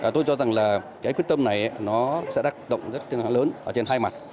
tôi cho rằng quyết tâm này sẽ tác động rất lớn trên hai mặt